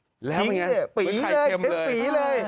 อีกขึ้นปีเลย